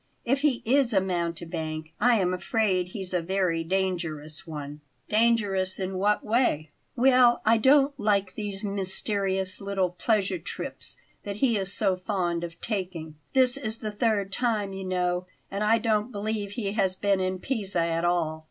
"If he is a mountebank I am afraid he's a very dangerous one." "Dangerous in what way?" "Well, I don't like those mysterious little pleasure trips that he is so fond of taking. This is the third time, you know; and I don't believe he has been in Pisa at all."